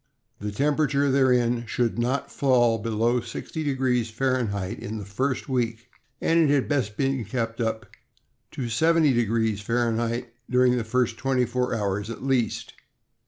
The temperature therein should not fall below 60° Fahrenheit in the first week, and it had best be kept up to 70° Fahrenheit during the first twenty four hours at least.